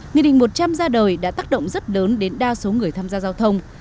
nghị định một trăm linh ra đời đã tác động rất lớn đến đa số người tham gia giao thông